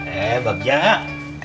eh bagia nek